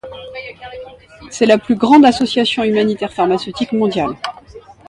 C'est la plus grande association humanitaire pharmaceutique mondiale.